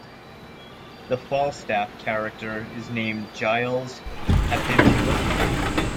The Falstaff character is named Giles Habibula.